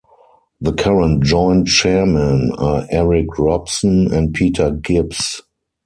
The current joint-chairmen are Eric Robson and Peter Gibbs.